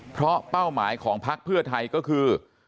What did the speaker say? เพราะเป้าหมายของพักเพื่อไทยก็คือ